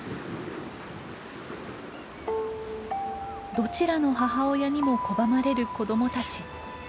どちらの母親にも拒まれる子どもたち。